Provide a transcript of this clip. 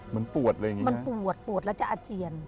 มันปวดเลยอย่างนี้ครับมันปวดแล้วจะอาเจียน